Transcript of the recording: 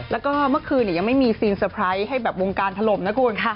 แล้วก็เมื่อคืนยังไม่มีซีนสเปรย์ให้แบบวงการถล่มนะคุณค่ะ